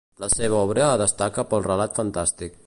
La seva obra destaca pel relat fantàstic.